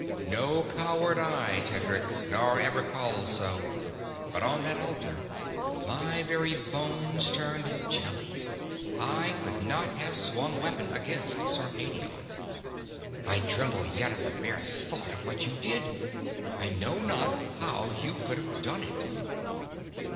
No coward I, Tedric, nor ever called so, but on that altar my very bones turned jelly. I could not have swung weapon against Sarpedion. I tremble yet at the bare thought of what you did; I know not how you could have done it."